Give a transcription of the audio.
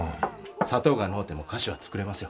砂糖がのうても菓子は作れますよ。